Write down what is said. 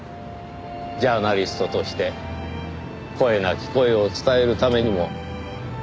ジャーナリストとして声なき声を伝えるためにも。